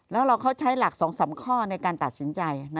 แล้วเขาใช้หลัก๒๓ข้อในการตัดสินใจ